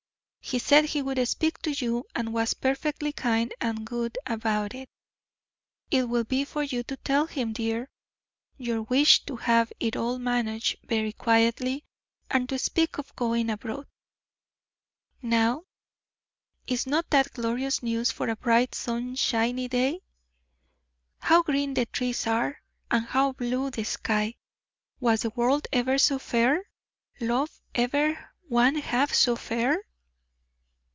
He said he would speak to you, and was perfectly kind and good about it; it will be for you to tell him, dear, your wish to have it all managed very quietly, and to speak of going abroad. Now, is not that glorious news for a bright sunshiny day? How green the trees are, and how blue the sky! Was the world ever so fair, love ever one half so fair?"